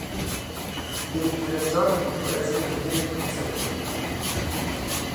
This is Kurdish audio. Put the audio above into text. Bi kelecan im ku ez ê li Hewlêrê konserekê bidim.